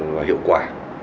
và hiệu quả